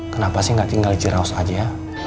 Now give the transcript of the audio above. kenapa sih gak tinggal di cirehouse aja